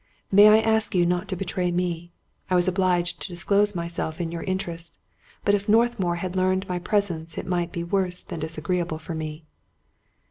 " May I ask you not to betray me? I was obliged to disclose my self in your interest ; but if Northmour learned my presence it might be worse than disagreeable for me."